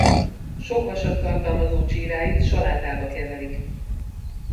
Sok vasat tartalmazó csíráit salátába keverik.